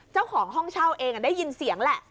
เจ้าของห้องเช่าเองได้ยินเสียงแหละ